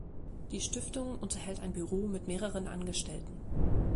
Die Stiftung unterhält ein Büro mit mehreren Angestellten.